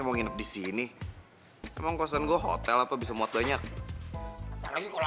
mau nginep di sini emang concern gua hotel apa bisa muat banyak lagi kalau